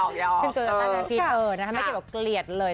ขึ้นตัวสันตาลยาพิษเธอนะครับไม่ใช่แบบเกลียดเลย